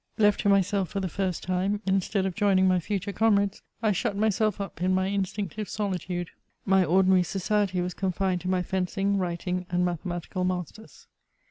Left to myself for the first time, instead, of jmning my future comrades, I shut myself up in my instinctive solitude. My ordinary society was confined to my fencing, writing, and mathematical masters.